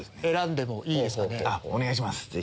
お願いします